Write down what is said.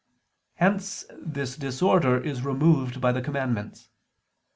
Hence this disorder is removed by the commandments.